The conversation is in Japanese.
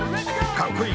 かっこいい！